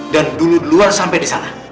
dan duluan sampe disana